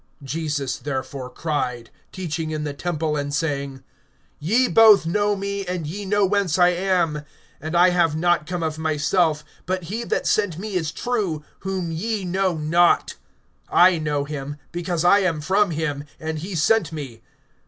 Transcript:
(28)Jesus therefore cried, teaching in the temple and saying: Ye both know me, and ye know whence I am; and I have not come of myself, but he that sent me is true, whom ye know not. (29)I know him; because I am from him, and he sent me.